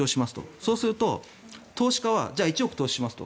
そうすると投資家は１億投資しますと。